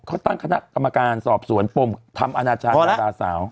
เขาตั้งคณะกรรมการสอบสวนปมทำอนาจารย์ดาราสาว